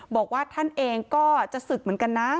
บอกว่าท่านเองก็จะศึกเหมือนกันนะ